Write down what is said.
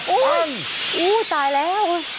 อุ้ยอุ้ยตายแล้ว